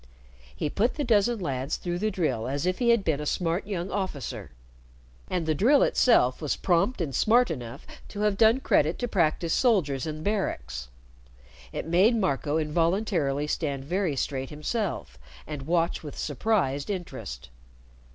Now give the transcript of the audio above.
He put the dozen lads through the drill as if he had been a smart young officer. And the drill itself was prompt and smart enough to have done credit to practiced soldiers in barracks. It made Marco involuntarily stand very straight himself, and watch with surprised interest.